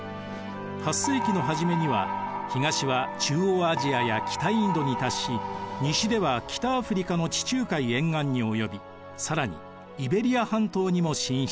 ８世紀の初めには東は中央アジアや北インドに達し西では北アフリカの地中海沿岸に及び更にイベリア半島にも進出。